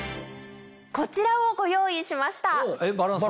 こちらをご用意しました。